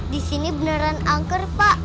disini beneran angker pak